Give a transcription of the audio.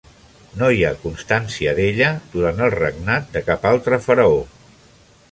No hi ha constància d'ella durant el regnat de cap altre faraó.